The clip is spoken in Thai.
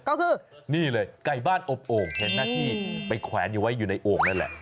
ก็คือนี่เลยไก่บ้านอบโอ่งเห็นไหมที่ไปแขวนอยู่ไว้อยู่ในโอ่งนั่นแหละ